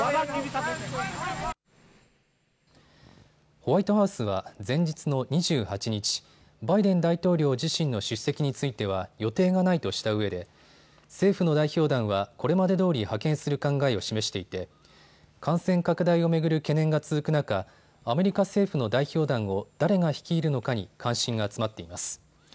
ホワイトハウスは前日の２８日、バイデン大統領自身の出席については予定がないとしたうえで政府の代表団はこれまでどおり派遣する考えを示していて感染拡大を回る懸念が続く中、アメリカ政府の代表団を誰が率いるのかに関心が集まっています。